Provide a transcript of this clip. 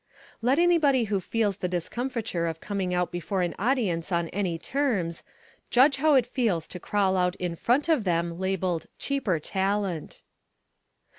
Let anybody who knows the discomfiture of coming out before an audience on any terms, judge how it feels to crawl out in front of them labelled cheaper talent.